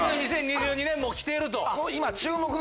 ２０２２年もう来てる。